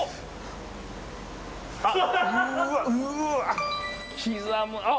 うわっ。